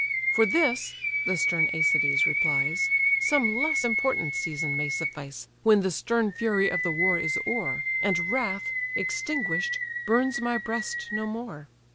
"For this (the stern Æacides replies) Some less important season may suffice, When the stern fury of the war is o'er, And wrath, extinguish'd, burns my breast no more.